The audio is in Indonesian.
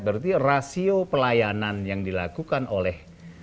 berarti rasio pelayanan yang dilakukan oleh